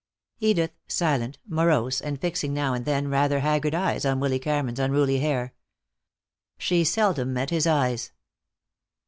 Edith silent, morose and fixing now and then rather haggard eyes on Willy Cameron's unruly hair. She seldom met his eyes.